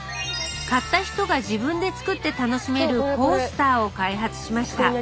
買った人が自分で作って楽しめるコースターを開発しました。